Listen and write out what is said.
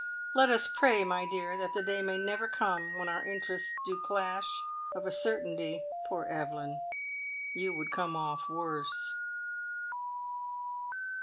Let us pray, my dear, that the day may never come when our interests do clash. Of a certainty, poor Evelyn, you would come off worse!"